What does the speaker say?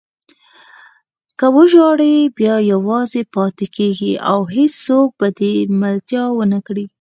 که وژاړې بیا یوازې پاتې کېږې او هېڅوک به دې ملتیا ونه کړي.